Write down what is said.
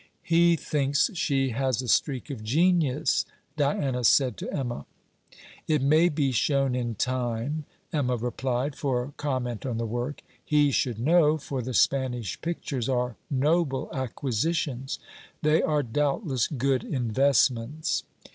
'He thinks she has a streak of genius,' Diana said to Emma. 'It may be shown in time,' Emma replied, for a comment on the work. 'He should know, for the Spanish pictures are noble acquisitions.' 'They are, doubtless, good investments.'